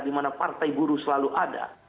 di mana partai buruh selalu ada